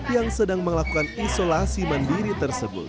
yang sedang melakukan isolasi mandiri tersebut